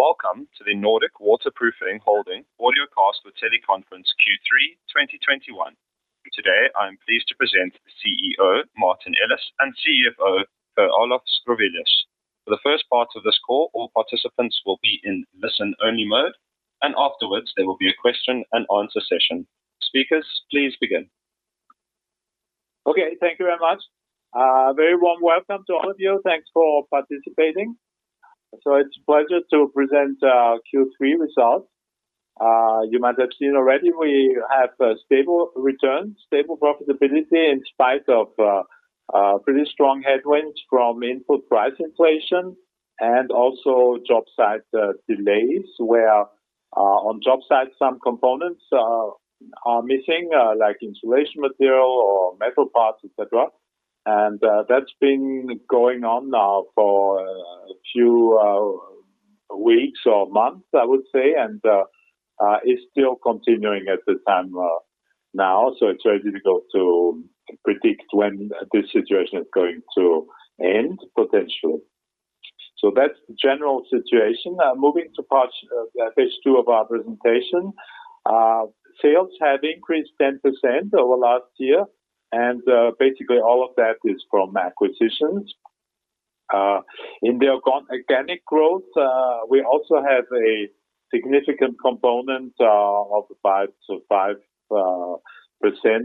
Welcome to the Nordic Waterproofing Holding audiocast for teleconference Q3 2021. Today, I'm pleased to present CEO Martin Ellis and CFO Per-Olof Schrewelius. For the first part of this call, all participants will be in listen-only mode, and afterwards there will be a question-and-answer session. Speakers, please begin. Okay. Thank you very much. Very warm welcome to all of you. Thanks for participating. It's a pleasure to present our Q3 results. You might have seen already we have a stable return, stable profitability in spite of pretty strong headwinds from input price inflation and also job site delays, where on job sites some components are missing, like insulation material or metal parts, et cetera. That's been going on now for a few weeks or months, I would say. It is still continuing now, so it's very difficult to predict when this situation is going to end potentially. That's the general situation. Moving to page two of our presentation. Sales have increased 10% over last year, and basically all of that is from acquisitions. In the organic growth, we also have a significant component of 5%-5%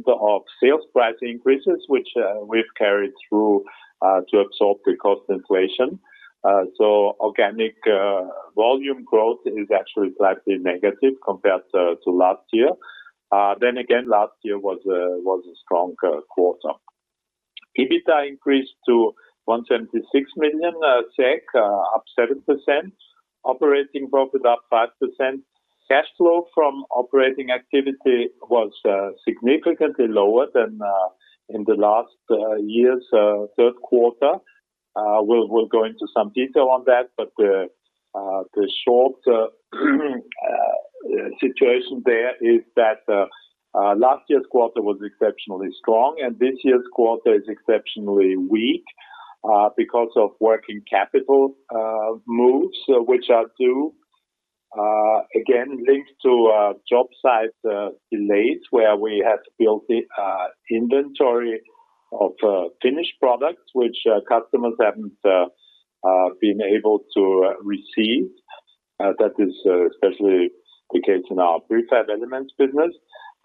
of sales price increases, which we've carried through to absorb the cost inflation. Organic volume growth is actually slightly negative compared to last year. Last year was a strong quarter. EBITA increased to 176 million SEK, up 7%. Operating profit up 5%. Cash flow from operating activity was significantly lower than in last year's third quarter. We'll go into some detail on that, but the short situation there is that last year's quarter was exceptionally strong and this year's quarter is exceptionally weak because of working capital moves which are due again, linked to job site delays, where we had built inventory of finished products which customers haven't been able to receive. That is especially the case in our prefab elements business.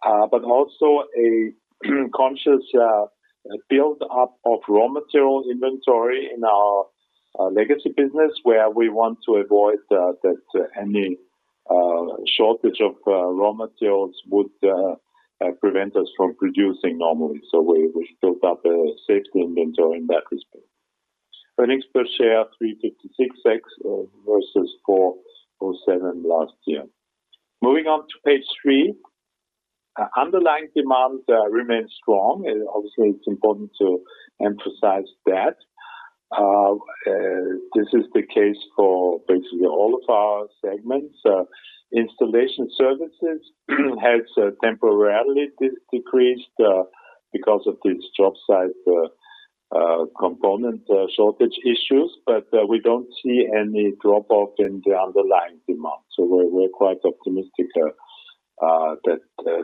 Also a conscious build up of raw material inventory in our legacy business, where we want to avoid that any shortage of raw materials would prevent us from producing normally. We built up a safety inventory in that respect. Earnings per share, 356 versus 407 last year. Moving on to page three. Underlying demand remains strong. Obviously, it's important to emphasize that. This is the case for basically all of our segments. Installation services has temporarily decreased because of these job site component shortage issues, but we don't see any drop off in the underlying demand. We're quite optimistic that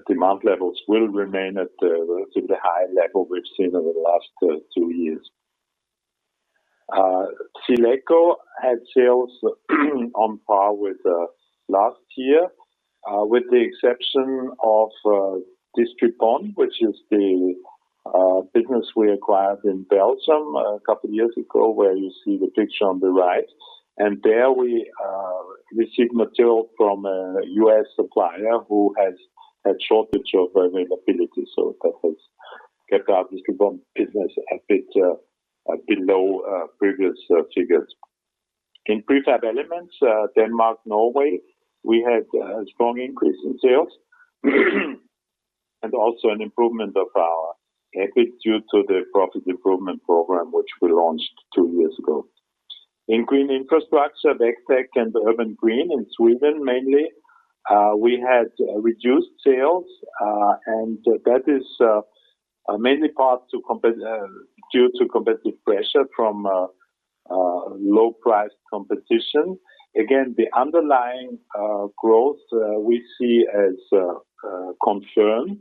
demand levels will remain at the relatively high level we've seen over the last two years. SealEco had sales on par with last year with the exception of Distri Pond, which is the business we acquired in Belgium a couple years ago, where you see the picture on the right. There we receive material from a U.S. supplier who has had shortage of availability. That has kept our Distri Pond business a bit low, previous figures. In prefab elements, Denmark, Norway, we had a strong increase in sales and also an improvement of our EBIT due to the profit improvement program, which we launched two years ago. In green infrastructure, Veg Tech and Urban Green in Sweden mainly, we had reduced sales, and that is mainly due to competitive pressure from low price competition. Again, the underlying growth we see as confirmed.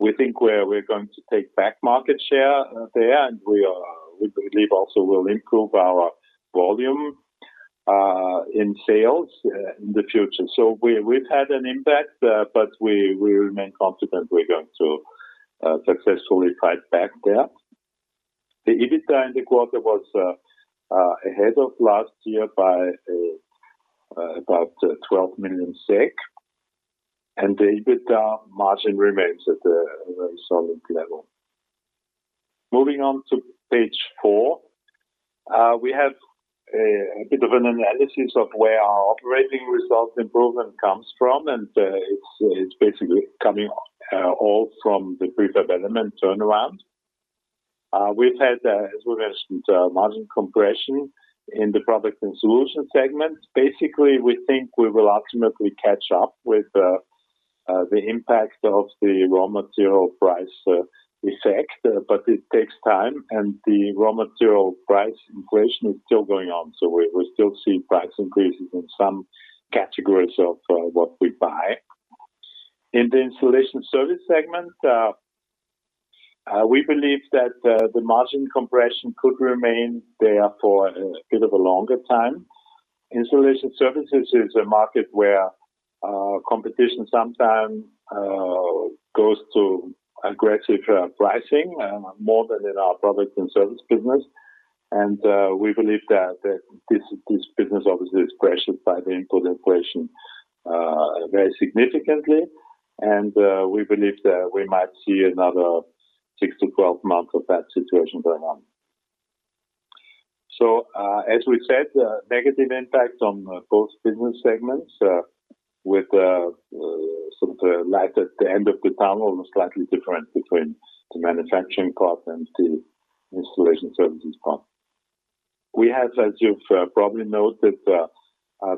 We think we're going to take back market share there and we believe also will improve our volume in sales in the future. We've had an impact, but we remain confident we're going to successfully fight back there. The EBITA in the quarter was ahead of last year by about 12 million SEK, and the EBITA margin remains at a very solid level. Moving on to page four. We have a bit of an analysis of where our operating result improvement comes from, and it's basically coming all from the prefab element turnaround. We've had, as we mentioned, margin compression in the product and solution segment. Basically, we think we will ultimately catch up with the impact of the raw material price effect, but it takes time, and the raw material price inflation is still going on. We still see price increases in some categories of what we buy. In the installation service segment, we believe that the margin compression could remain there for a bit of a longer time. Installation services is a market where competition sometimes goes too aggressive pricing more than in our product and service business. We believe that this business obviously is pressured by the input inflation very significantly, and we believe that we might see another 6-12 months of that situation going on. As we said, negative impact on both business segments, with some of the light at the end of the tunnel and slightly different between the manufacturing part and the installation services part. We have, as you've probably noted,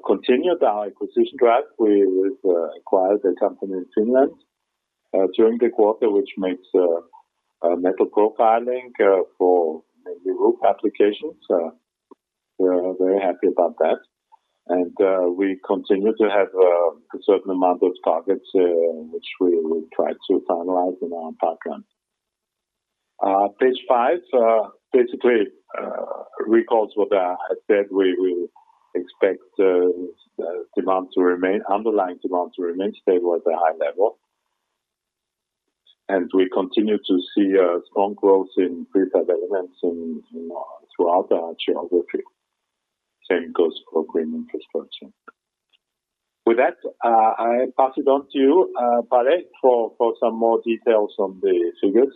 continued our acquisition drive. We've acquired a company in Finland during the quarter, which makes metal profiling for maybe roof applications. We're very happy about that. We continue to have a certain amount of targets which we will try to finalize in our pipeline. Page five basically recalls what I said. We expect underlying demand to remain stable at a high level. We continue to see a strong growth in prefab elements throughout our geography. Same goes for green infrastructure. With that, I pass it on to Palle for some more details on the figures.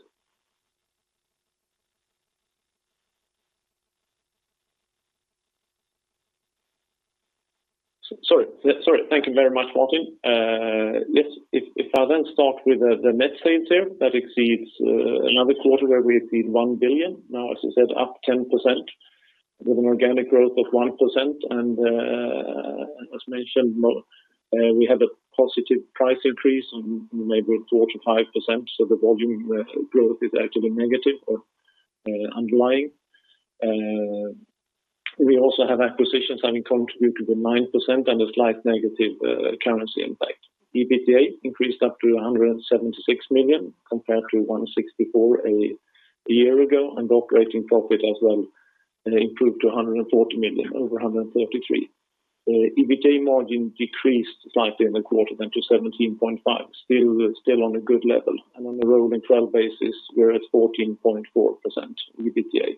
Sorry. Thank you very much, Martin. Yes. If I then start with the net sales here, that exceeds another quarter where we exceed 1 billion. Now, as you said, up 10% with an organic growth of 1%. As mentioned, we have a positive price increase on maybe 4%-5%, so the volume growth is actually negative or underlying. We also have acquisitions having contributed with 9% and a slight negative currency impact. EBITDA increased up to 176 million compared to 164 million a year ago, and operating profit as well improved to 140 million, over 133 million. EBITDA margin decreased slightly in the quarter to 17.5%, still on a good level. On a rolling twelve basis, we're at 14.4% EBITDA.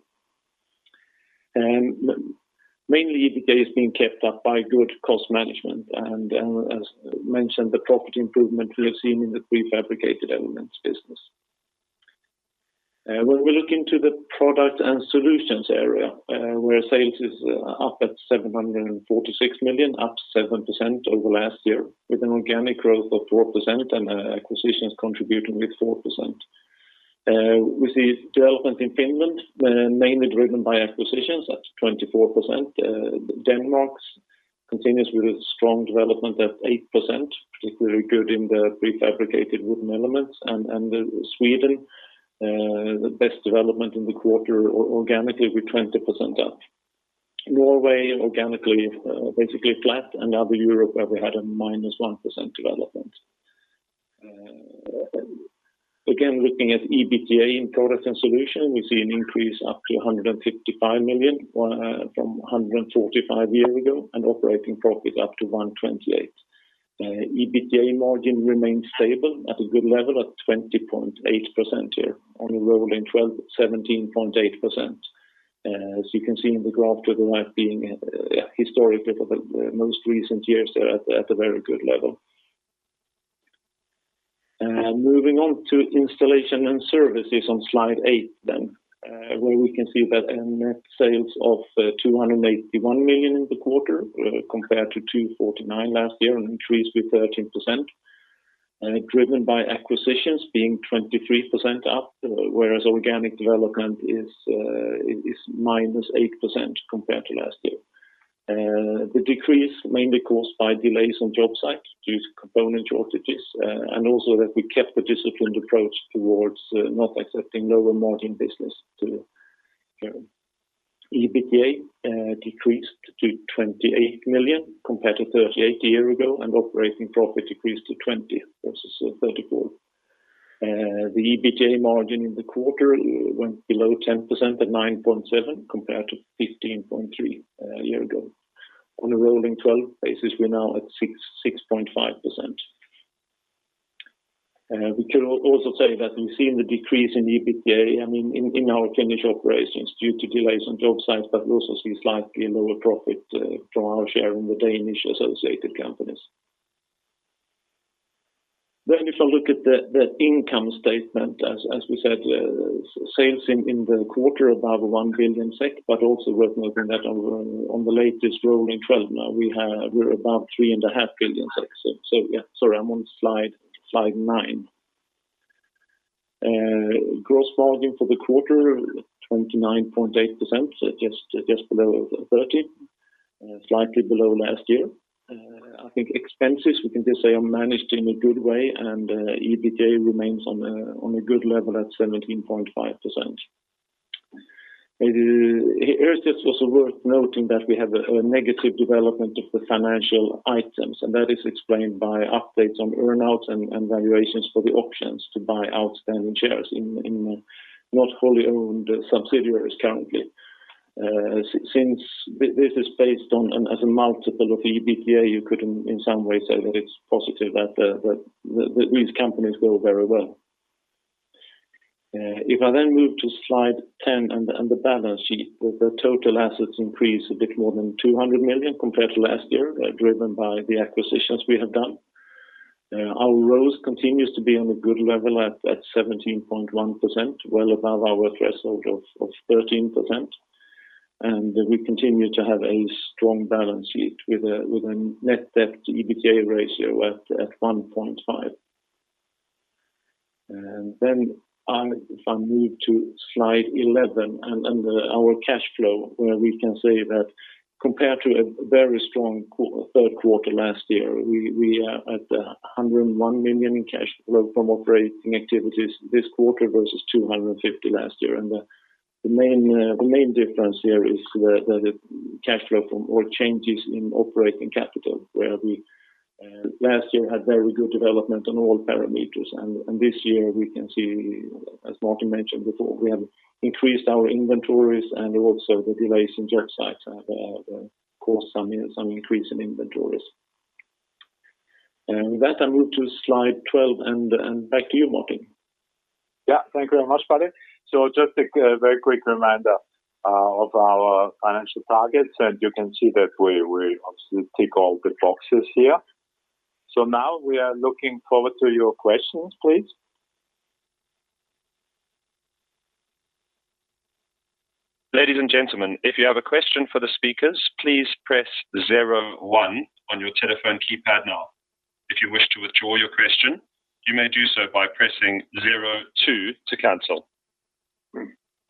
Mainly, EBITDA is being kept up by good cost management. As mentioned, the profit improvement we are seeing in the prefabricated elements business. When we look into the product and solutions area, where sales is up at 746 million, up 7% over last year with an organic growth of 4% and acquisitions contributing with 4%. We see development in Finland, mainly driven by acquisitions at 24%. Denmark continues with a strong development at 8%, particularly good in the prefabricated wooden elements. Sweden, the best development in the quarter organically with 20% up. Norway organically, basically flat, and other Europe where we had a -1% development. Again, looking at EBITDA in Products and Solutions, we see an increase up to 155 million from 145 million a year ago, and operating profit up to 128 million. EBITDA margin remains stable at a good level at 20.8% here, on a rolling 12%, 17.8%. As you can see in the graph to the right, being historically for the most recent years there at a very good level. Moving on to installation and services on slide eight then, where we can see that net sales of 281 million in the quarter compared to 249 million last year, an increase of 13%, driven by acquisitions being 23% up, whereas organic development is -8% compared to last year. The decrease mainly caused by delays on job sites due to component shortages, and also that we kept a disciplined approach towards not accepting lower margin business to, you know. EBITDA decreased to 28 million compared to 38 million a year ago, and operating profit decreased to 20 million versus 34 million. The EBITDA margin in the quarter went below 10% at 9.7% compared to 15.3% a year ago. On a rolling twelve basis, we're now at 6.5%. We could also say that we've seen the decrease in EBITDA, I mean, in our Finnish operations due to delays on job sites, but we also see slightly lower profit to our share in the Danish associated companies. If I look at the income statement, as we said, sales in the quarter above 1 billion SEK, but also worth noting that on the latest rolling twelve, we're above 3.5 billion SEK. Sorry, I'm on slide nine. Gross margin for the quarter, 29.8%, so just below 30%, slightly below last year. I think expenses we can just say are managed in a good way, and EBITDA remains on a good level at 17.5%. Here it is also worth noting that we have a negative development of the financial items, and that is explained by updates on earn-outs and valuations for the options to buy outstanding shares in not fully owned subsidiaries currently. Since this is based on a multiple of the EBITDA, you could in some ways say that it's positive that these companies grow very well. If I then move to slide 10 and the balance sheet where the total assets increased a bit more than 200 million compared to last year, driven by the acquisitions we have done. Our ROCE continues to be on a good level at 17.1%, well above our threshold of 13%. We continue to have a strong balance sheet with a net debt to EBITDA ratio at 1.5. If I move to slide 11 and our cash flow, where we can say that compared to a very strong Q3 last year, we are at 101 million in cash flow from operating activities this quarter versus 250 million last year. The main difference here is the cash flow from all changes in operating capital, where we last year had very good development on all parameters. This year we can see, as Martin mentioned before, we have increased our inventories and also the delays in job sites have caused some increase in inventories. With that, I move to slide 12 and back to you, Martin. Yeah. Thank you very much, Palle. Just a very quick reminder of our financial targets, and you can see that we obviously tick all the boxes here. Now we are looking forward to your questions, please. Ladies and gentlemen, if you have a question for the speakers, please press zero one on your telephone keypad now. If you wish to withdraw your question, you may do so by pressing zero two to cancel.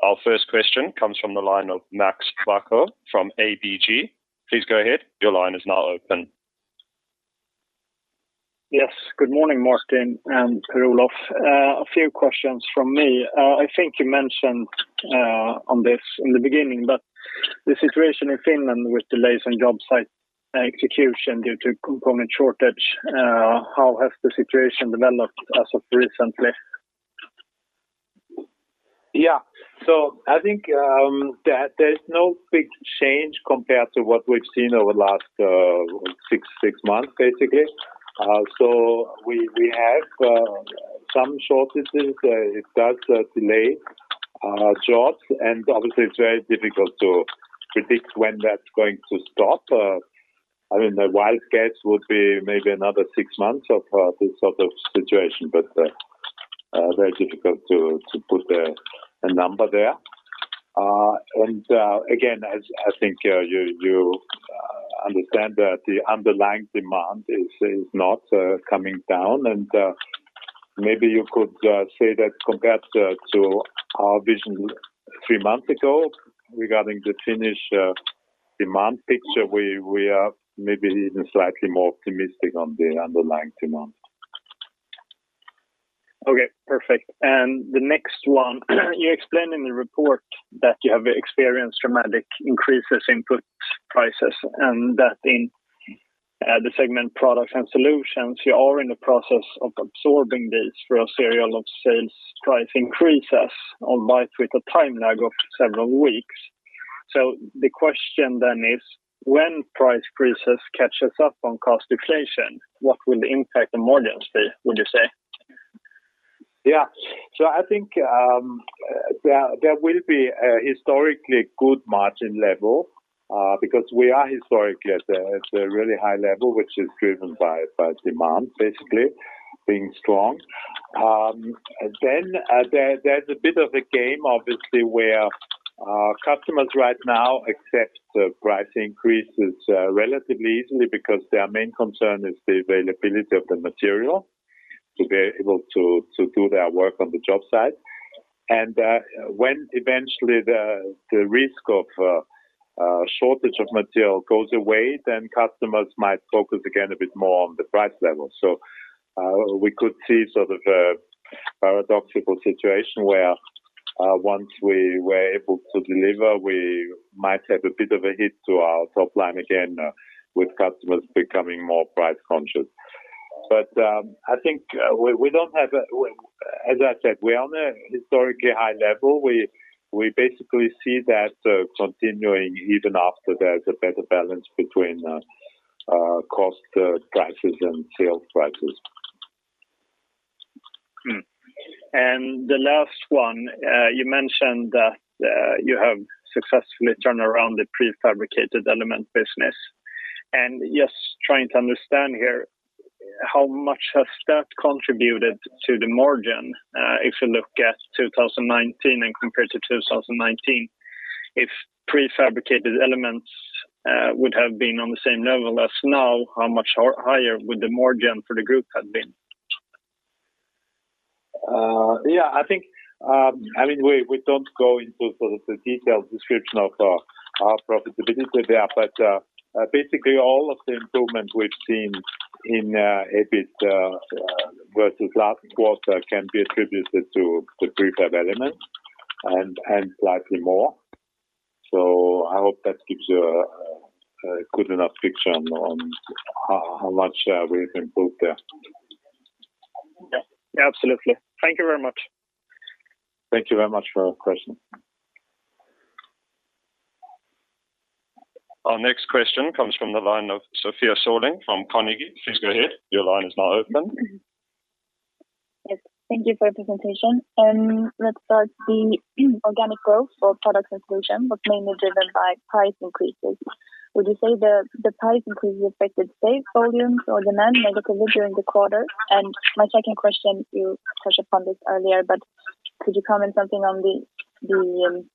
Our first question comes from the line of Max Bacco from ABG. Please go ahead. Your line is now open. Yes. Good morning, Martin and Per-Olof. A few questions from me. I think you mentioned on this in the beginning, but the situation in Finland with delays in job site execution due to component shortage, how has the situation developed as of recently? Yeah. I think there's no big change compared to what we've seen over the last six months, basically. We have some shortages. It does delay jobs, and obviously it's very difficult to predict when that's going to stop. I mean, the wild guess would be maybe another six months of this sort of situation, but very difficult to put a number there. And again, as I think you understand that the underlying demand is not coming down. And maybe you could say that compared to our vision three months ago regarding the Finnish demand picture, we are maybe even slightly more optimistic on the underlying demand. Okay, perfect. The next one, you explain in the report that you have experienced dramatic increases in input prices and that in the segment Products and Solutions, you are in the process of absorbing this through a series of sales price increases albeit with a time lag of several weeks. The question then is, when price increases catch up on cost inflation, what will the impact and margins be, would you say? Yeah. I think there will be a historically good margin level because we are historically at a really high level, which is driven by demand, basically being strong. Then there's a bit of a game, obviously, where customers right now accept the price increases relatively easily because their main concern is the availability of the material to be able to do their work on the job site. When eventually the risk of shortage of material goes away, then customers might focus again a bit more on the price level. We could see sort of a paradoxical situation where once we were able to deliver, we might have a bit of a hit to our top line again with customers becoming more price conscious. I think, as I said, we are on a historically high level. We basically see that continuing even after there's a better balance between costs, prices and sales prices. The last one, you mentioned that you have successfully turned around the prefabricated element business. Just trying to understand here, how much has that contributed to the margin, if you look at 2019 and compared to 2019? If prefabricated elements would have been on the same level as now, how much higher would the margin for the group had been? Yeah, I think, I mean, we don't go into sort of the detailed description of our profitability there, but basically, all of the improvement we've seen in EBIT versus last quarter can be attributed to the prefab elements and slightly more. I hope that gives you a good enough picture on how much we've improved there. Yeah. Absolutely. Thank you very much. Thank you very much for your question. Our next question comes from the line of Sofia Sörling from Carnegie. Please go ahead. Your line is now open. Yes. Thank you for the presentation. Let's start the organic growth for Products and Solutions was mainly driven by price increases. Would you say the price increases affected sales volumes or demand negatively during the quarter? My second question, you touched upon this earlier, but could you comment something on the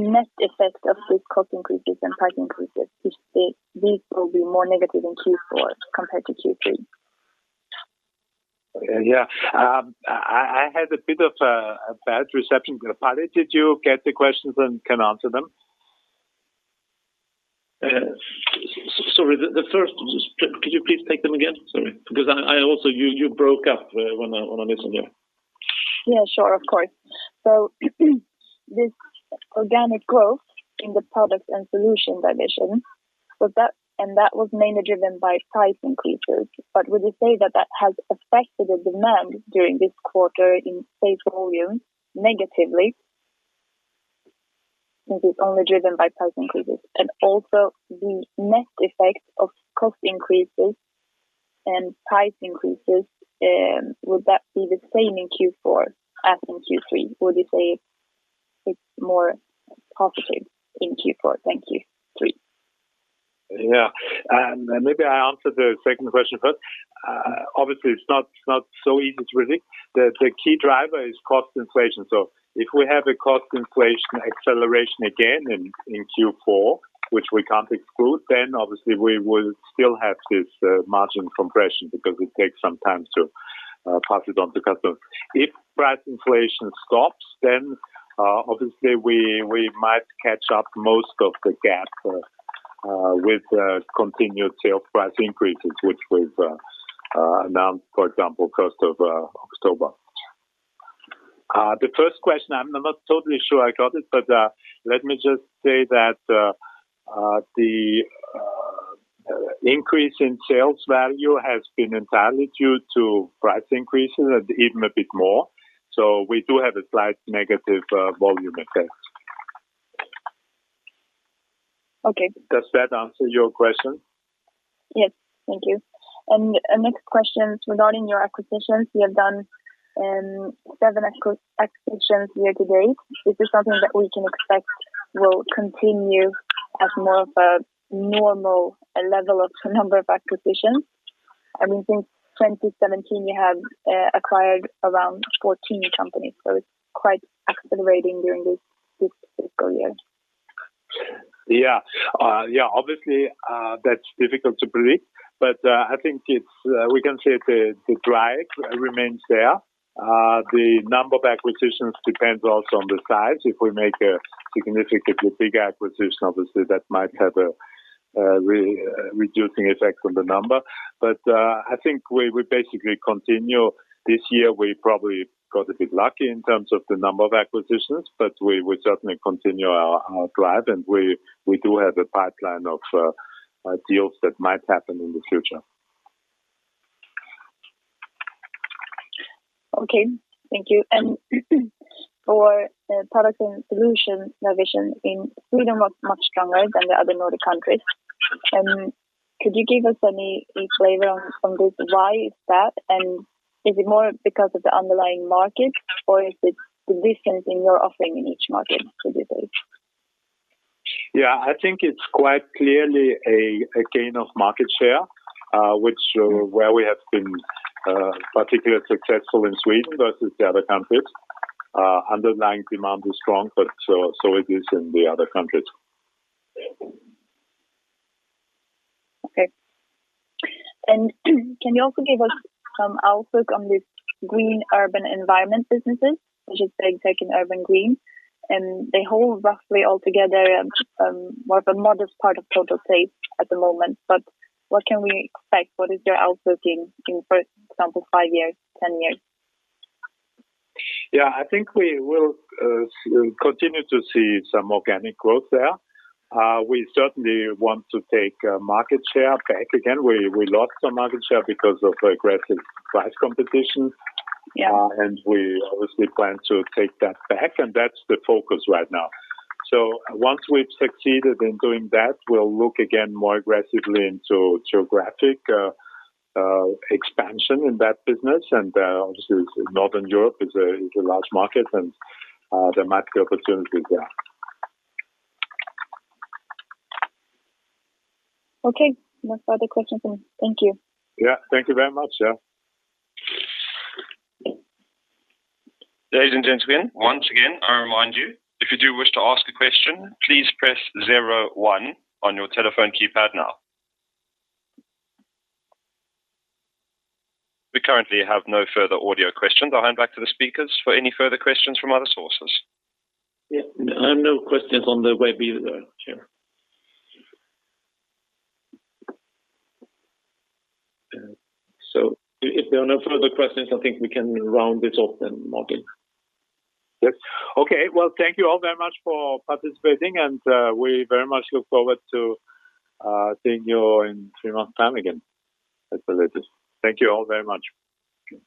net effect of these cost increases and price increases, if these will be more negative in Q4 compared to Q3? Yeah. I had a bit of a bad reception. Palle, did you get the questions and can answer them? Sorry. Just could you please take them again? Sorry. Because I also. You broke up when I listened to you. Yeah, sure. Of course. This organic growth in the product and solution division, and that was mainly driven by price increases, but would you say that has affected the demand during this quarter in sales volume negatively since it's only driven by price increases? Also, the net effect of cost increases and price increases, would that be the same in Q4 as in Q3? Would you say it's more positive in Q4? Thank you. Please. Yeah. Maybe I answer the second question first. Obviously, it's not so easy to predict. The key driver is cost inflation. If we have a cost inflation acceleration again in Q4, which we can't exclude, then obviously we will still have this margin compression because it takes some time to pass it on to customers. If price inflation stops, then obviously we might catch up most of the gap with continued sale price increases, which we've announced, for example, first of October. The first question, I'm not totally sure I got it, but let me just say that the increase in sales value has been entirely due to price increases and even a bit more. We do have a slight negative volume effect. Okay. Does that answer your question? Yes. Thank you. A next question regarding your acquisitions. You have done seven acquisitions year-to-date. Is this something that we can expect will continue as more of a normal level of number of acquisitions? I mean, since 2017, you have acquired around 14 companies, so it's quite accelerating during this fiscal year. Obviously, that's difficult to predict, but I think we can say the drive remains there. The number of acquisitions depends also on the size. If we make a significantly big acquisition, obviously, that might have a really reducing effect on the number. I think we basically continue. This year, we probably got a bit lucky in terms of the number of acquisitions, but we certainly continue our drive, and we do have a pipeline of deals that might happen in the future. Okay. Thank you. For product and solution division in Sweden was much stronger than the other Nordic countries. Could you give us any flavor on this? Why is that? Is it more because of the underlying market, or is it the difference in your offering in each market to this date? Yeah. I think it's quite clearly a gain of market share where we have been particularly successful in Sweden versus the other countries. Underlying demand is strong, so it is in the other countries. Okay. Can you also give us some outlook on this green urban environment businesses, which is Veg Tech and Urban Green, and they hold roughly all together more of a modest part of total sales at the moment. What can we expect? What is your outlook in, for example, five years, 10 years? Yeah. I think we will continue to see some organic growth there. We certainly want to take market share back again. We lost some market share because of aggressive price competition. Yeah. We obviously plan to take that back, and that's the focus right now. Once we've succeeded in doing that, we'll look again more aggressively into geographic expansion in that business. Obviously, Northern Europe is a large market and there might be opportunities there. Okay. No further questions then. Thank you. Yeah. Thank you very much. Yeah. Ladies and gentlemen, once again, I remind you, if you do wish to ask a question, please press zero one on your telephone keypad now. We currently have no further audio questions. I'll hand back to the speakers for any further questions from other sources. Yeah. I have no questions on the web either, Chair. If there are no further questions, I think we can round this off then, Martin. Yes. Okay. Well, thank you all very much for participating, and we very much look forward to seeing you in three months' time again at the latest. Thank you all very much.